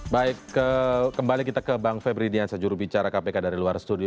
baik kembali kita ke bang febri ini yang sejuru bicara kpk dari luar studio